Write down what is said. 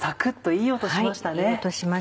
いい音しましたね。